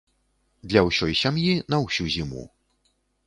Для ўсёй сям'і на ўсю зіму.